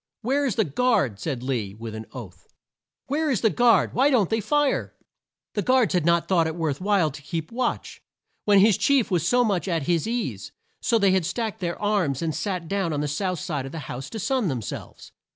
"Where is the guard?" said Lee with an oath. "Where is the guard? Why don't they fire?" The guards had not thought it worth while to keep watch, when their chief was so much at his ease, so they had stacked their arms and sat down on the south side of a house to sun them selves.